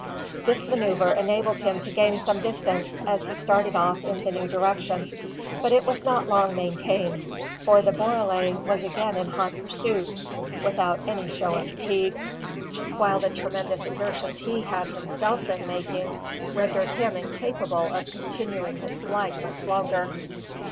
This manoeuvre enabled him to gain some distance as he started off in the new direction. But it was not long maintained; for the borele was again in hot pursuit, without any show of fatigue; while the tremendous exertions he had himself been making rendered him incapable of continuing his flight much longer.